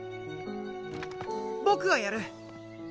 僕がやる。